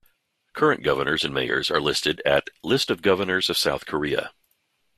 Current governors and mayors are listed at List of governors of South Korea.